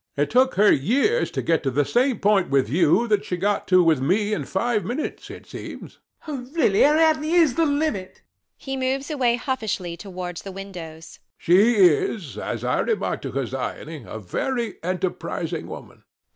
It took her years to get to the same point with you that she got to with me in five minutes, it seems. RANDALL [vexed]. Really, Ariadne is the limit [he moves away huffishly towards the windows]. HECTOR [coolly]. She is, as I remarked to Hesione, a very enterprising woman.